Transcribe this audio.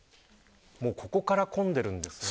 ここから混んでるんですね。